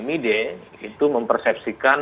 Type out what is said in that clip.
mide itu mempersepsikan